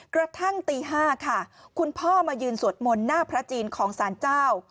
กระทั่งตี๕ค่ะคุณพ่อมายืนสวดมนต์หน้าพระจีนของสารเจ้า